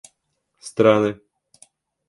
страны